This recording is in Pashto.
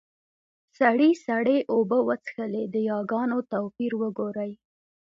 سړي سړې اوبۀ وڅښلې . د ياګانو توپير وګورئ!